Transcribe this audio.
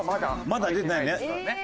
まだ出てないね。